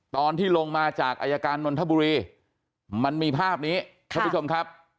ตอนที่ลงมาจากอายการนนทบุรีมันมีภาพนี้ท่านผู้ชมครับ